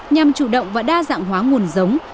nhằm chủ động và đa dạng hóa nguồn giống